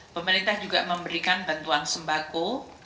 pemerintah juga memberikan bantuan sembako